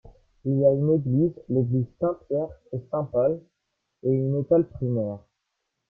Il y a une église, l'église Saint-Pierre-et-Saint-Paul et une école primaire.